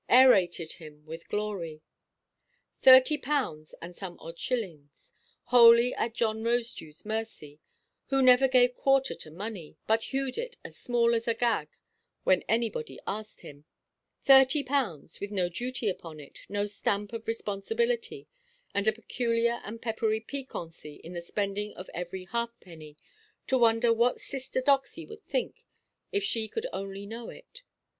—aerated him with glory. Thirty pounds, and some odd shillings, wholly at John Rosedewʼs mercy (who never gave quarter to money, but hewed it as small as Agag when anybody asked him),—thirty pounds, with no duty upon it, no stamp of responsibility, and a peculiar and peppery piquancy in the spending of every halfpenny, to wonder what sister Doxy would think if she could only know it!